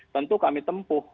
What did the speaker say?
tentu kami tempuh